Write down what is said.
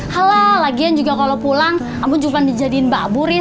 halah lagian juga kalau pulang ampun juga dijadiin mbak abu riz